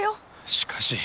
しかし。